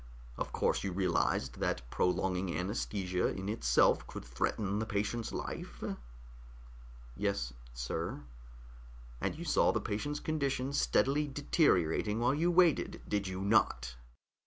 "Of course, you realized that prolonged anaesthesia in itself could threaten that patient's life?" "Yes, sir." "And you saw the patient's condition steadily deteriorating while you waited, did you not?"